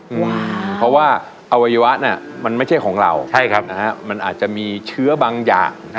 เพราะว่าอวัยวะมันไม่ใช่ของเรามันอาจจะมีเชื้อบางอย่าง